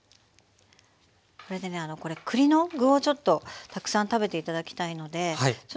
これでねこれ栗の具をちょっとたくさん食べて頂きたいのでちょっと具も具で盛りつけますね。